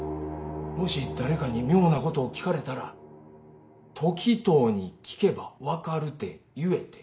「もし誰かに妙なことを聞かれたら『時任に聞けば分かる』て言え」て。